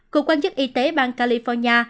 cục quan chức y tế bang california